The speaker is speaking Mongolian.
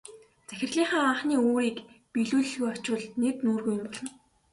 Захирлынхаа анхны үүрийг биелүүлэлгүй очвол нэр нүүргүй юм болно.